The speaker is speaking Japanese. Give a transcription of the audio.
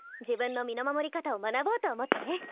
自分の身の守り方を学ぼうと思ってね。